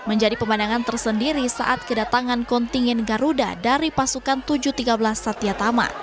menjadi pemandangan tersendiri saat kedatangan kontingen garuda dari pasukan tujuh ratus tiga belas satyatama